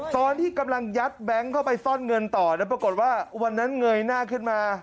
ตอนที่กำลังยัดแบงค์เข้าไปซ่อนเงินต่อแล้วปรากฏว่าวันนั้นเงยหน้าขึ้นมา